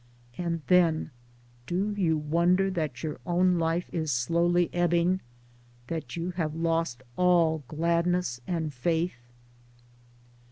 — And then do you wonder that your own Life is slowly ebbing — that you have lost all gladness and faith